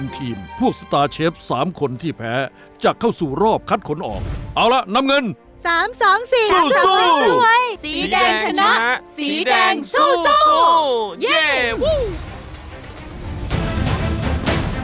สีแดงชนะสีแดงสู้